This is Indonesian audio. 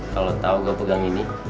kalo tau gua pegang ini